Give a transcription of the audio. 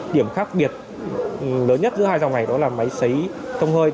điểm khác biệt lớn nhất giữa hai dòng ngày đó là máy xấy thông hơi